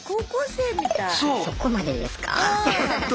そこまでですか？